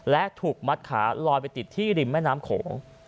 และถูกมัดขาลอยไปติดที่ริมแม่น้ำโขง